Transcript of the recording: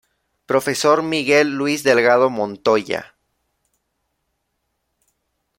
Profesor Miguel Luis Delgado Montoya.